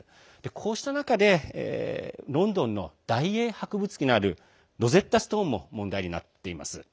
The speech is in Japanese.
こうした中でロンドンの大英博物館にある「ロゼッタストーン」も問題になっています。